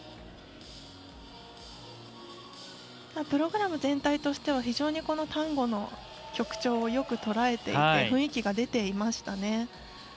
プログラム全体としては非常にこのタンゴの特徴をよく捉えて雰囲気が出ていました。